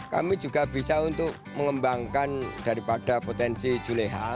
kami juga bisa untuk mengembangkan daripada potensi juleha